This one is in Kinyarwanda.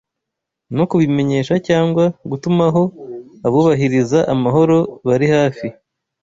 no kubimenyesha cyangwa gutumaho abubahiriza amahoro bari hafi